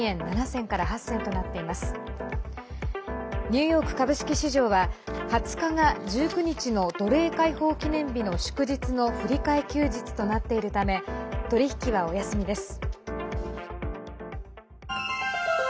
ニューヨーク株式市場は２０日が、１９日の奴隷解放記念日の祝日の振り替え休日となっているため取り引きはお休みです。